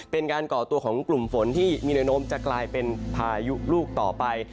เป็นการก่อตัวของกลุ่มฝนที่มีเรื่องโน้มจะกลายเป็นพายุลูกต่อไป